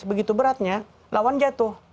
begitu beratnya lawan jatuh